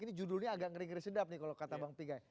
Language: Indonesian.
ini judulnya agak ngeri ngeri sedap nih kalau kata bang pigai